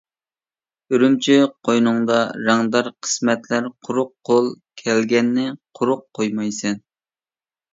ئۈرۈمچى قوينۇڭدا رەڭدار قىسمەتلەر، قۇرۇق قول كەلگەننى قۇرۇق قويمايسەن.